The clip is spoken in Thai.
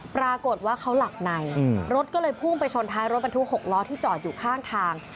ปรากฏว่าเขาหลับในรถก็เลยพุ่งไปชนท้ายรถบรรทุก๖ล้อที่จอดอยู่ข้างทาง